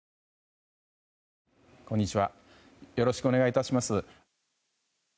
こんにちはよろしくお願いします。